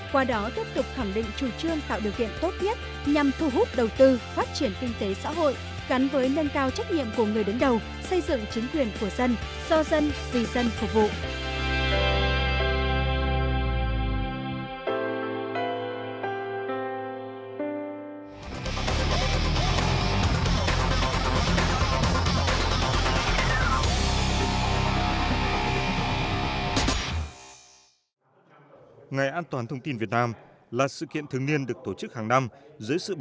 qua đó tiếp tục khẳng định chủ trương tạo điều kiện tốt nhất nhằm thu hút đầu tư phát triển kinh tế xã hội gắn với nâng cao trách nhiệm của dân do dân phục vụ